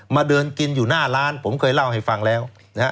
มาเดินกินอยู่หน้าร้านผมเคยเล่าให้ฟังแล้วนะฮะ